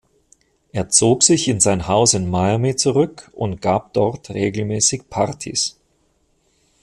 Er zog sich in sein Haus in Miami zurück und gab dort regelmäßig Partys.